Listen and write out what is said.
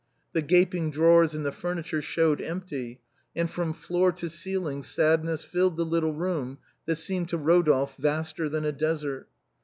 The gaping drawers in the furniture showed empty, and from floor to ceiling sadness filled the little room, that seemed to Eodolphe vaster than a desert.